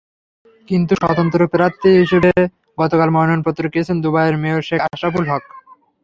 কিন্তু স্বতন্ত্র প্রার্থীর হিসেবে গতকাল মনোনয়নপত্র কিনেছেন দুবারের মেয়র শেখ আশরাফুল হক।